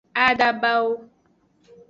Adabawo.